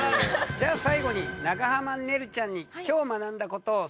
じゃあ最後に長濱ねるちゃんに今日学んだことを川柳でまとめてもらおう。